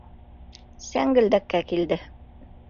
Сәңгелдәккә килде.